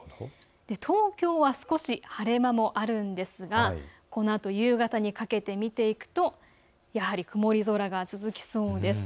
東京は少し晴れ間もあるんですがこのあと夕方にかけて見ていくとやはり曇り空が続きそうです。